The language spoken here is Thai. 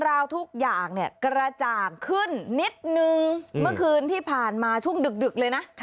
ราวทุกอย่างเนี่ยกระจ่างขึ้นนิดนึงเมื่อคืนที่ผ่านมาช่วงดึกเลยนะ